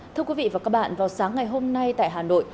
thưa quý vị và các bạn vào sáng ngày hôm nay tại hà nội